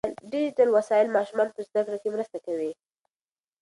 ډیجیټل وسایل ماشومان په زده کړه کې مرسته کوي.